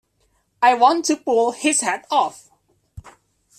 I want to pull his head off.